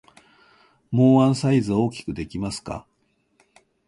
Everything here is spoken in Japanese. もうワンサイズ大きくできますか？